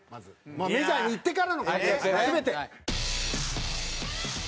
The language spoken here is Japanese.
メジャーに行ってからの活躍を全て。